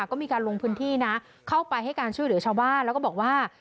ก็มีการลงพื้นที่นะเข้าไปให้การช่วยเหลือชาวบ้านแล้วก็บอกว่า